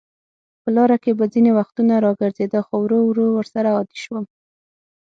په لاره کې به ځینې وختونه راجګېده، خو ورو ورو ورسره عادي شوم.